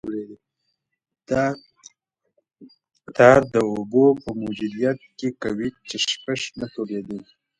ټار د اوبو په موجودیت کې قوي چسپش نه تولیدوي